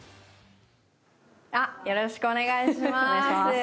よろしくお願いします。